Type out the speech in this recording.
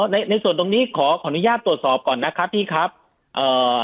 ในในส่วนตรงนี้ขอขออนุญาตตรวจสอบก่อนนะครับพี่ครับเอ่อ